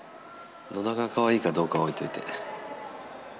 野田がかわいいかどうかはおいといて。